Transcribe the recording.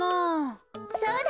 そうだ！